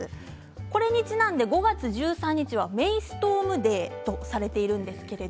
これにちなんで５月１３日はメイストームデーとされているんです。